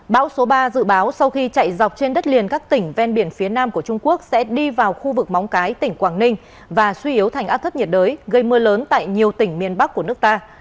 bão số ba dự báo sau khi chạy dọc trên đất liền các tỉnh ven biển phía nam của trung quốc sẽ đi vào khu vực móng cái tỉnh quảng ninh và suy yếu thành áp thấp nhiệt đới gây mưa lớn tại nhiều tỉnh miền bắc của nước ta